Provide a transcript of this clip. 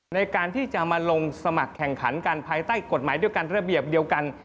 ในการที่จะมาลงสมัครแข่งขันกันภายใต้กฎหมายด้วยกันระเบียบเดียวกัน